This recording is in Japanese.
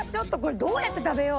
どうやって食べよう。